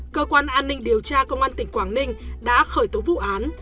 cơ quan an ninh điều tra công an tỉnh quảng ninh đã khởi tố vụ án